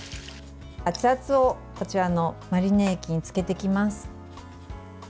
熱々を、こちらのマリネ液に漬けていきます。